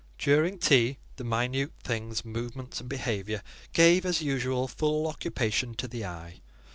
During tea, the minute thing's movements and behaviour gave, as usual, full occupation to the eye.